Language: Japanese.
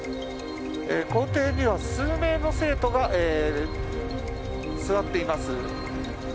校庭には数名の生徒が座っています。